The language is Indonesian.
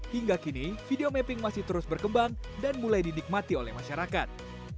hingga kini video mapping masih terus berkembang dan mulai dinikmati oleh masyarakat